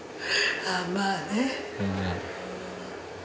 ああまあね。